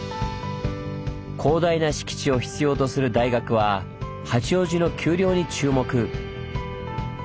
広大な敷地を必要とする大学は八王子の丘陵に注目。